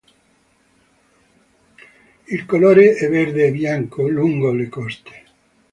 Il colore è verde e bianco lungo le coste.